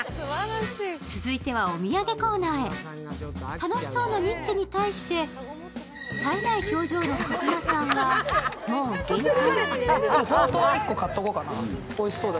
楽しそうなニッチェに対してさえない表情の児嶋さんはもう限界？